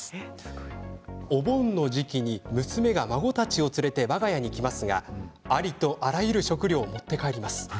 お盆の時期に娘が孫たちを連れてわが家に来ますがありとあらゆる食料を持って帰ります。